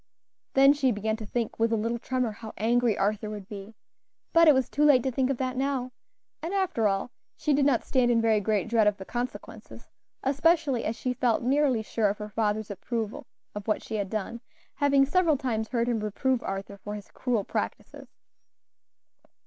Then she began to think with a little tremor, how angry Arthur would be; but it was too late to think of that now, and, after all, she did not stand in very great dread of the consequences, especially as she felt nearly sure of her father's approval of what she had done, having several times heard him reprove Arthur for his cruel practices.